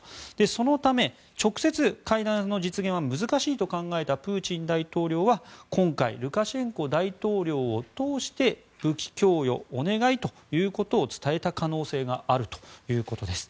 そのため直接、会談の実現は難しいと考えたプーチン大統領は今回ルカシェンコ大統領を通して武器供与お願いということを伝えた可能性があるということです。